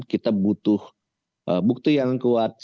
kita butuh bukti yang kuat